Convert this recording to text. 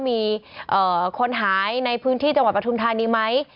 มีคนหายในพื้นที่จังหวัดปทุมธานีไหม